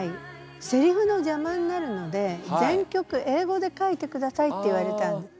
せりふのじゃまになるので全曲英語で書いてくださいって言われたんです。